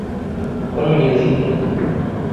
কোন মিউজিক নেই।